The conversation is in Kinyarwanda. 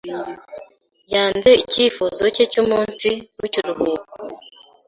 Yanze icyifuzo cye cy'umunsi w'ikiruhuko.